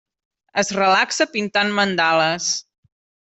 Es relaxa pintant mandales.